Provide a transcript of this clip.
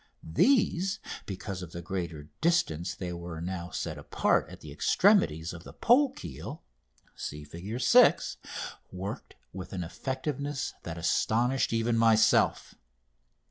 These, because of the greater distance they were now set apart at the extremities of the pole keel (Fig. 6), worked with an effectiveness that astonished even myself.